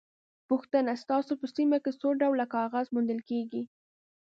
پوښتنه: ستاسو په سیمه کې څو ډوله کاغذ موندل کېږي؟